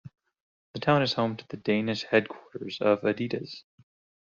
The town is home to the Danish headquarters of Adidas.